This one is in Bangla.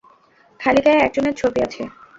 খালিগায়ে এক জনের ছবি আছে।